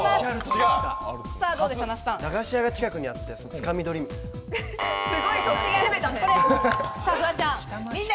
駄菓子屋が近くにあって、つかみ取りみたいな。